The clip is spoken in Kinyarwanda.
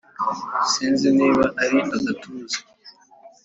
Sinzi niba ari agatuza.